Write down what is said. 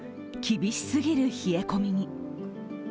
厳しすぎる冷え込みに。